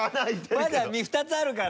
でもまだ２つあるから！